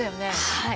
はい。